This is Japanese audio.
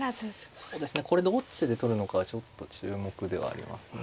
そうですねこれどっちで取るのかはちょっと注目ではありますね。